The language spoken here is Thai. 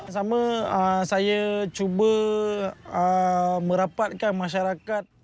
ทั้งสามฉันกำลังจะลองรับความสรรค์ฟุตบอลโรฮิงยา